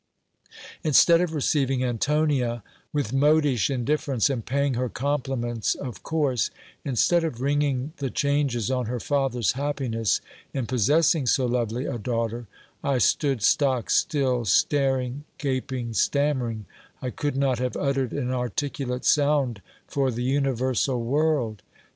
Instead of receiving Antonia with modish indifference, and paying her compliments of course, instead of ringing the changes on her father's happiness in possessing so lovely a daughter, I stood stock still, staring, gaping, stammering : I could not have uttered an articulate sound for the uni THE LOVES OF GIL BLAS AND ANTONIA. 357 versal world.